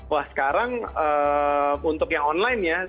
wah sekarang untuk yang online ya